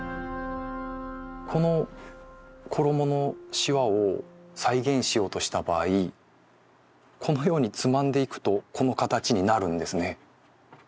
この衣のシワを再現しようとした場合このようにつまんでいくとこの形になるんですね。